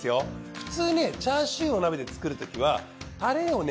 普通ねチャーシューを鍋で作るときはたれをね